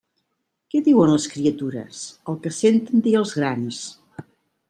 Què diuen les criatures? El que senten dir als grans.